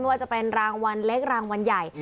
ว่าจะเป็นรางวัลเล็กรางวัลใหญ่